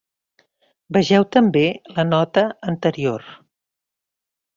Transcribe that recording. Vegeu també la nota anterior.